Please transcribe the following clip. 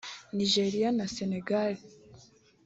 Niger na Senegal